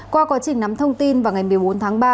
qua quá trình nắm thông tin vào ngày một mươi bốn tháng ba